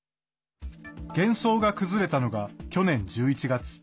幻想が崩れたのが去年１１月。